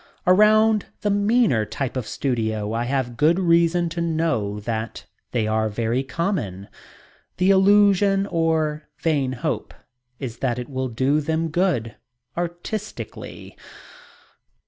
Around the meaner type of studio I have good reason to know that they are very common. The illusion or vain hope is that it will do them good "artistically."